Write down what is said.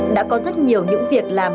đã có rất nhiều những việc làm